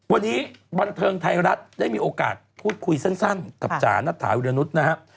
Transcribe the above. วันนี้บันเทิงไทยรัฐได้มีโอกาสพูดคุยสั้นกับจ๋านัทถาวิรนุษย์นะครับ